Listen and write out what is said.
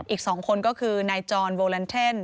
อีก๒คนก็คือนายจรโวแลนเทน